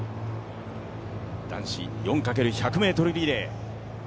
男子４×１００ｍリレー。